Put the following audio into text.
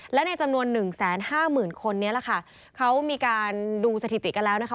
และในจำนวน๑๕๐๐๐๐๐คนเนี่ยล่ะค่ะเขามีการดูสถิติกันแล้วนะคะ